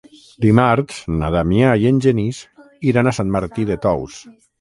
Dimarts na Damià i en Genís iran a Sant Martí de Tous.